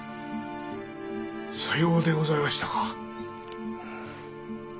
さようでございましたか。